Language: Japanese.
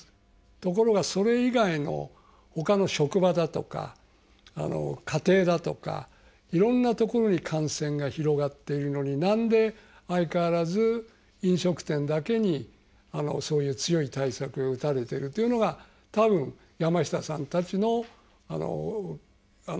ところがそれ以外のほかの職場だとか家庭だとかいろんなところに感染が広がっているのに何で相変わらず飲食店だけにそういう強い対策が打たれてるというのが多分山下さんたちの強い不満だと思うんですよね。